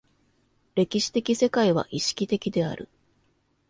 歴史的世界は意識的である。